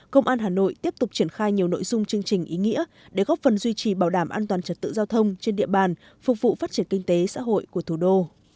công an hà nội tiếp tục triển khai nhiều nội dung chương trình ý nghĩa để góp phần duy trì bảo đảm an toàn trật tự giao thông trên địa bàn phục vụ phát triển kinh tế xã hội của thủ đô